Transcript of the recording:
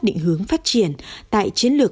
định hướng phát triển tại chiến lược